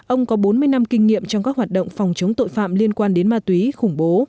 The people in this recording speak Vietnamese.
ông có bốn mươi năm kinh nghiệm trong các hoạt động phòng chống tội phạm liên quan